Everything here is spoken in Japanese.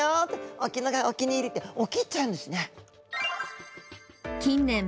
「沖のがお気に入り」って沖行っちゃうんですね。